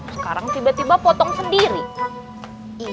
sekarang tiba tiba potong sendiri